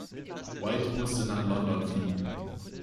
White musste nach "London" fliehen.